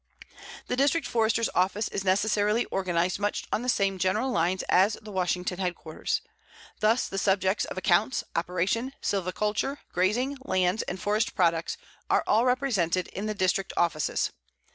The District Forester's office is necessarily organized much on the same general lines as the Washington headquarters. Thus, the subjects of accounts, operation, silviculture, grazing, lands, and forest products are all represented in the District offices.